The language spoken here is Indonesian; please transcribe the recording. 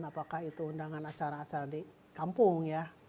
apakah itu undangan acara acara di kampung ya